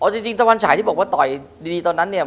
จริงตะวันฉายที่บอกว่าต่อยดีตอนนั้นเนี่ย